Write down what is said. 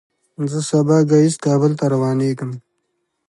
زه سبا ګهیځ کابل ته روانېږم.